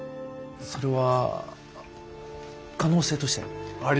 それは可能性として。